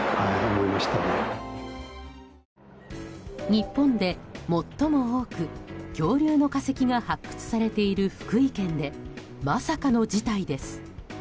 日本で最も多く恐竜の化石が発掘されている福井県でまさかの事態です。